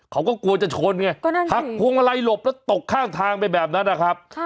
เขาก็กลัวจะชนไงหักพวงมาลัยหลบแล้วตกข้างทางไปแบบนั้นนะครับ